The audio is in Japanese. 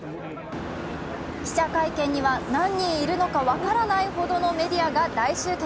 記者会見には何人いるのか分からないほどのメディアが大集結。